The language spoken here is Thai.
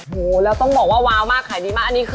โหแล้วต้องบอกว่าว้าวมากขายดีมาก